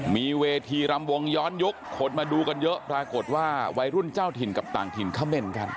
มีเวทีรำวงย้อนยุคคนมาดูกันเยอะปรากฏว่าวัยรุ่นเจ้าถิ่นกับต่างถิ่นคำเมนต์กัน